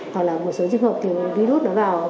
hoặc là một số trường hợp từ virus nó vào